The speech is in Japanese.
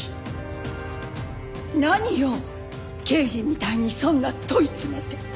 何よ刑事みたいにそんな問い詰めて。